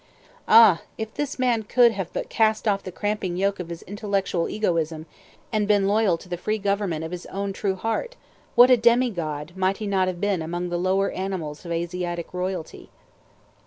Ah, if this man could but have cast off the cramping yoke of his intellectual egotism, and been loyal to the free government of his own true heart, what a demi god might he not have been among the lower animals of Asiatic royalty!